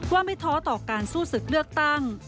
ว่าไม่ท้อต่อการสู้ศึกเลือกตั้ง